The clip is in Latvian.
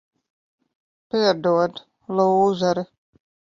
Piedod, lūzeri.